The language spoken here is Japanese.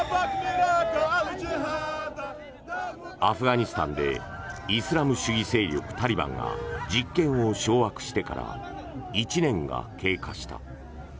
アフガニスタンでイスラム主義勢力タリバンが実権を掌握してから１年が経過した。